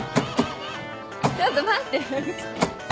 ちょっと待って。